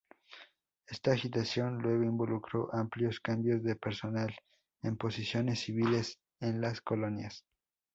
Esta agitación luego involucró amplios cambios de personal en posiciones civiles en las colonias.